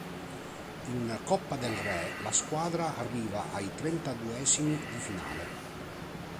In Coppa del Re la squadra arriva ai trentaduesimi di finale.